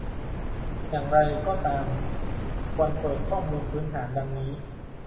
อย่างไรก็ตาม ควรเปิดข้อมูลพื้นฐานดังนี้